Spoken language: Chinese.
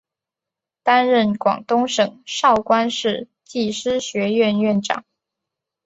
担任广东省韶关市技师学院院长。